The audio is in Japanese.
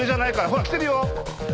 ほら。来てるよ。